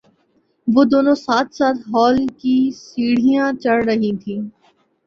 وہ دونوں ساتھ ساتھ ہال کی سٹر ھیاں چڑھ رہی تھیں